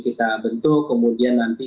kita bentuk kemudian nanti